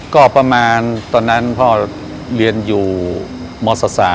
ก็ประมาณตอนนั้นพ่อเรียนอยู่มศ๓